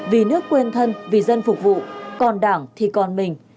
vì nước quên thân vì dân phục vụ còn đảng thì còn mình